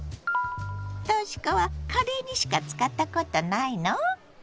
とし子はカレーにしか使ったことないの？